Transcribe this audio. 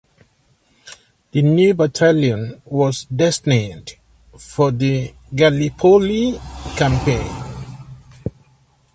The new battalion was destined for the Gallipoli Campaign.